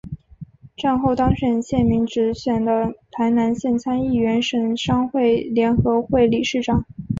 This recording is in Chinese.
战后当选县民直选的台南县参议员省商会联合会理事长。